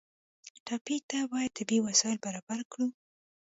ټپي ته باید طبي وسایل برابر کړو.